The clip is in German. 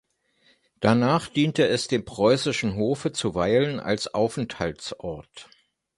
Danach diente es dem preußischen Hofe zuweilen als Aufenthaltsort.